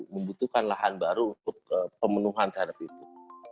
membutuhkan lahan baru untuk pemenuhan terhadap itu